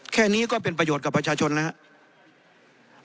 แค่นี้ก็เป็นประโยชน์กับประชาชนนะครับ